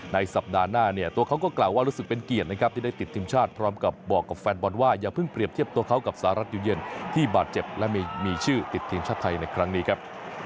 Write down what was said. สัปดาห์หน้าเนี่ยตัวเขาก็กล่าวว่ารู้สึกเป็นเกียรตินะครับที่ได้ติดทีมชาติพร้อมกับบอกกับแฟนบอลว่าอย่าเพิ่งเปรียบเทียบตัวเขากับสหรัฐอยู่เย็นที่บาดเจ็บและมีชื่อติดทีมชาติไทยในครั้งนี้ครับ